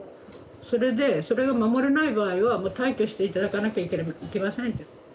それでそれが守れない場合はもう退去して頂かなきゃいけませんって。